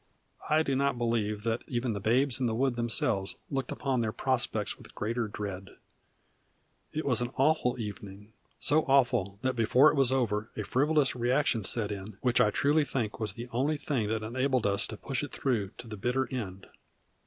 I do not believe that even the Babes in the Wood themselves looked upon their prospects with greater dread. It was an awful evening; so awful that before it was over a frivolous reaction set in which I truly think was the only thing that enabled us to push it through to the bitter end.